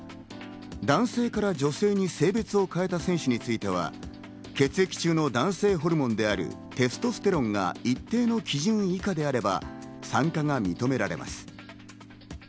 男性から女性に性別を変えた選手については、血液中の男性ホルモンであるテストステロンが一定の基準以下であれば、参加が認められます。